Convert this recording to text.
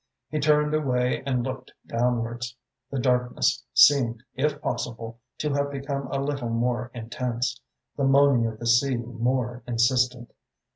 He turned away and looked downwards. The darkness seemed, if possible, to have become a little more intense, the moaning of the sea more insistent.